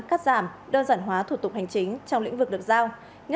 cắt giảm đơn giản hóa thuật tục hành chính trong lĩnh vực đập giao